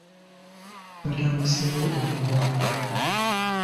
Batandiseewo omulimu omupya.